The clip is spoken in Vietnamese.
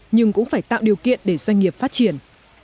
nhưng cũng phải tạo điều kiện để doanh nghiệp phát triển